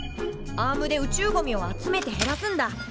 アームで宇宙ゴミを集めて減らすんだ。